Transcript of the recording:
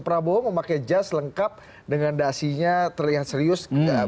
prabowo memakai jas lengkap dengan dasinya terlihat serius